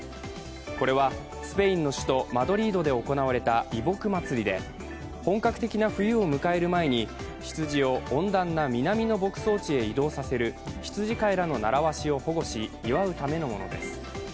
これはスペインの首都マドリードで行われた移牧祭りで、本格的な冬を迎える前に羊を温暖な南の牧草地へ移動させる羊飼いらの習わしを保護し祝うためのものです。